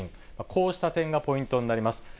こうした点がポイントになります。